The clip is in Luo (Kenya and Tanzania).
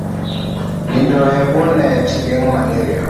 Nindo e bwo net geng'o malaria